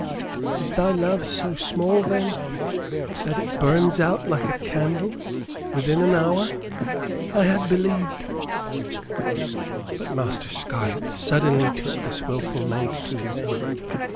Is thy love so small, then, that it burns out like a candle, within an hour? I had believed " But Master Scarlett suddenly took this wilful maid to his heart.